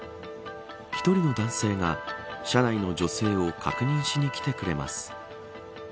１人の男性が車内の女性を確認しに来てくれます。